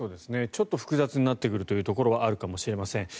ちょっと複雑になってくるところはあるかもしれません。